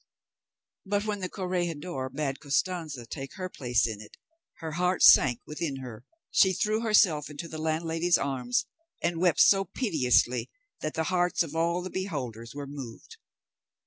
But when the corregidor bade Costanza take her place in it, her heart sank within her; she threw herself into the landlady's arms, and wept so piteously, that the hearts of all the beholders were moved.